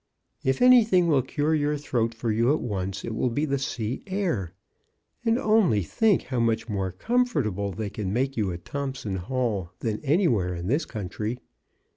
If anything will cure your throat for you at once, it will be the sea air. And only think how much more comfortable they can make you at Thompson Hall than anywhere in this country.